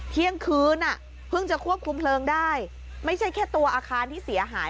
เที่ยงคืนอ่ะเพิ่งจะควบคุมเพลิงได้ไม่ใช่แค่ตัวอาคารที่เสียหาย